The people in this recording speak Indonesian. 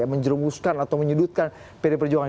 apa ya menjerumuskan atau menyedutkan pdi perjuangan